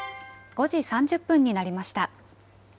５時３０分になりました。